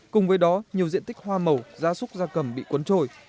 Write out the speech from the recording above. cùng với đó nhiều diện tích hoa màu da súc da cầm bị cuốn trôi